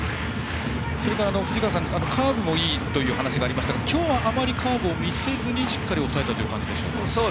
藤川さん、カーブもいいと話がありましたが今日はあまりカーブを見せずに抑えたという感じでしょうか。